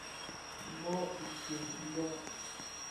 Bông i tséé bông.